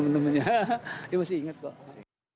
dia masih ingat kok